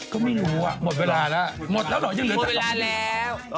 ก็ไม่รู้หมดเวลาแล้ว